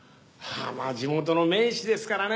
地元の名士ですからね。